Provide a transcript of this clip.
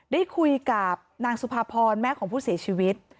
ได้คุยกับนางสุภาพรแม่ของผู้เสียชีวิต